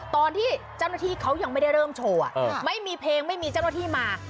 ตอนที่เจ้าหน้าที่เขายังไม่ได้เริ่มโชว์ไม่มีเพลงไม่มีเจ้าหน้าที่มา